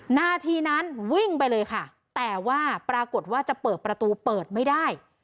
นาทีนั้นวิ่งไปเลยค่ะแต่ว่าปรากฏว่าจะเปิดประตูเปิดไม่ได้